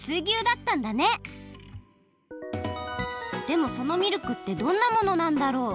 でもそのミルクってどんなものなんだろう？